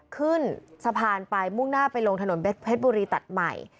ขึ้นสะพานไปมุ่งหน้าไปลงถนนเพชรบุรีตัดใหม่